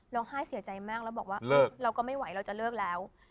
ร้องไห้เสียใจมากแล้วบอกว่าเราก็ไม่ไหวเราจะเลิกแล้ว